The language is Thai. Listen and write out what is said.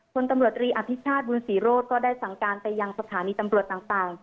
คนตำรวจตรีอภิชาติบุญศรีโรธก็ได้สั่งการไปยังสถานีตำรวจต่าง